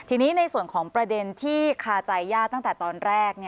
ทีนี้ในส่วนของประเด็นที่คาใจย่าตั้งแต่ตอนแรก